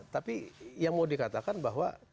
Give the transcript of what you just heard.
tapi yang mau dikatakan bahwa